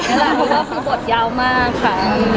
เพราะผมก็พี่บทยาวมากค่ะ